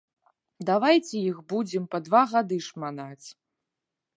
Давайце іх будзем па два гады шманаць.